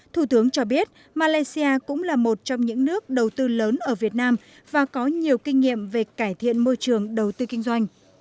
thủ tướng cho biết malaysia cũng là một trong những nước đầu tư lớn ở việt nam và có nhiều kinh nghiệm về cải thiện môi trường đầu tư kinh doanh